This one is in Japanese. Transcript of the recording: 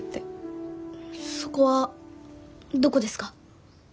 そこはどこですか？